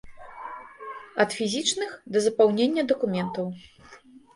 Ад фізічных, да запаўнення дакументаў.